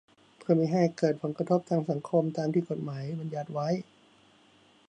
เพื่อมิให้เกิดผลกระทบทางสังคมตามที่กฎหมายบัญญัติไว้